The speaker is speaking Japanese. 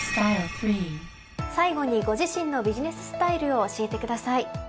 最後にご自身のビジネススタイルを教えてください。